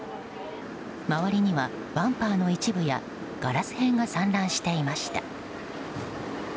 周りにはバンパーの一部やガラス片が散乱していました。